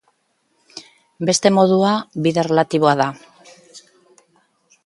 Beste modua, bide erlatiboa da.